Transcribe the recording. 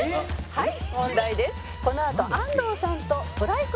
はい。